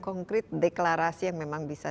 konkret deklarasi yang memang bisa